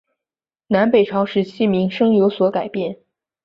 南北朝时期名称有所更改。